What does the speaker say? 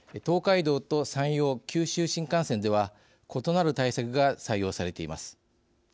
東海道と山陽、九州新幹線では異なる対策が採用されています。